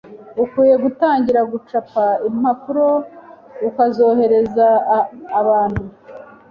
Ukwiriye gutangira gucapa impapuro ukazoherereza abantu.